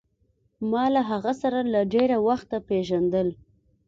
ما له هغه سره له ډېره وخته پېژندل.